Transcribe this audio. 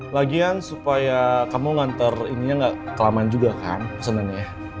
lagian supaya kamu ngantar ininya gak kelamaan juga kan pesanannya